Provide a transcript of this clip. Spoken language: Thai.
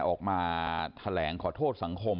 ออกมาแถลงขอโทษสังคม